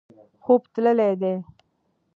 خوب تللی دی.